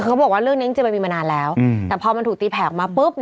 คือเขาบอกว่าเรื่องนี้จริงมันมีมานานแล้วแต่พอมันถูกตีแผกมาปุ๊บ